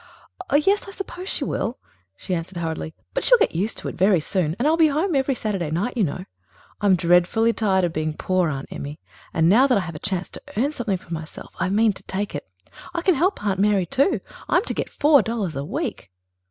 "Oh, yes, I suppose she will," she answered hurriedly. "But she'll get used to it very soon. And I will be home every Saturday night, you know. I'm dreadfully tired of being poor, Aunt Emmy, and now that I have a chance to earn something for myself I mean to take it. I can help Aunt Mary, too. I'm to get four dollars a week."